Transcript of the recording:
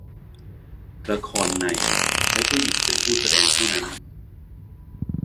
ละครใน ใช้ผู้หญิงเป็นผู้แสดงเท่านั้น